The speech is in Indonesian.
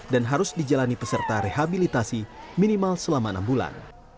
dan harus dijalani peserta rehabilitasi minimal selama enam bulan